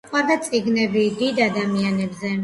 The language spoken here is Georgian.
უყვარდა წიგნები დიდ ადამიანებზე.